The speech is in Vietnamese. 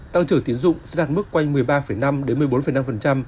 tăng trưởng tiến dụng sẽ đạt mức quanh một mươi ba năm đến một mươi bốn năm